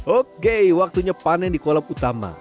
oke waktunya panen di kolam utama